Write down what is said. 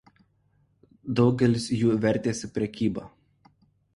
Daugelis jų vertėsi prekyba.